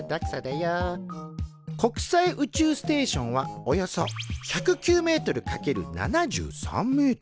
国際宇宙ステーションはおよそ１０９ｍ×７３ｍ。